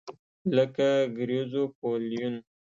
لکه ګریزوفولوین.